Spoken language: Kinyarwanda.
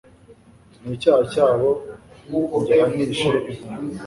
n’icyaha cyabo ngihanishe inkoni